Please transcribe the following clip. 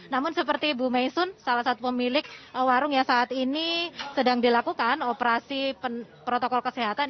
namun seperti bu maisun salah satu pemilik warung yang saat ini sedang dilakukan operasi protokol kesehatan